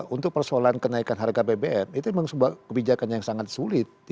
untuk persoalan kenaikan harga bbm itu memang sebuah kebijakan yang sangat sulit